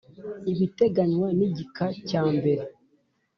Ibiteganywa n igika cya mbere